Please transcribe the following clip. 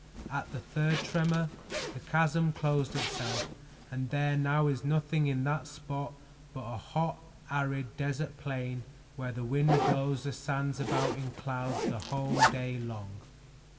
At the third tremor, the chasm closed itself and there now is nothing in that spot but a hot arid desert plain where the wind blows the sands about in clouds the whole day long."